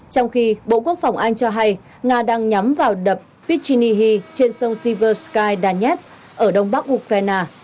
trong khi bộ quốc phòng anh cho hay nga đang nhắm vào đập pichinihi trên sông silver sky danetsk ở đông bắc ukraine